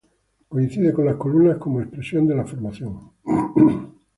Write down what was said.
Coincide con las columnas como expresión de la formación.